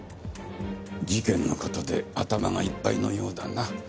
事件の事で頭がいっぱいのようだな